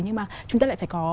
nhưng mà chúng ta lại phải có